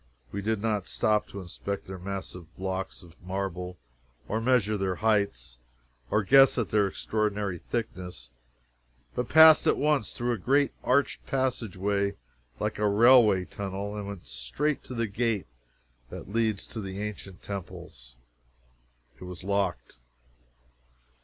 We did not stop to inspect their massive blocks of marble, or measure their height, or guess at their extraordinary thickness, but passed at once through a great arched passage like a railway tunnel, and went straight to the gate that leads to the ancient temples. It was locked!